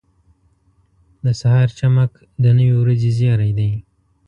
• د سهار چمک د نوې ورځې زیری دی.